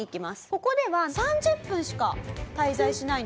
ここでは３０分しか滞在しないんですね。